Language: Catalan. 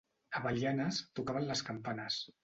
A Belianes tocaven les campanes.